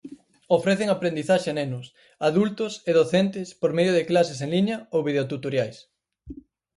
Ofrecen aprendizaxe a nenos, adultos e docentes por medio de clases en liña ou videotutoriais.